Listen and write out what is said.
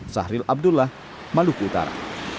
sahril abdullah maluku utara